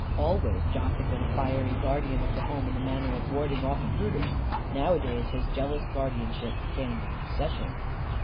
Always Jock had been a fiery guardian of the home in the matter of warding off intruders. Nowadays his jealous guardianship became an obsession.